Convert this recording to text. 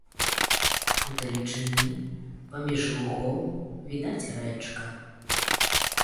Удалечыні, праміж лугоў, відаць рэчка.